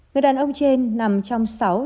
người đàn ông trên nằm trong sân phòng